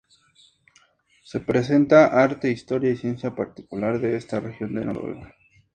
Se presenta arte, historia y ciencia particular de esta región de Noruega.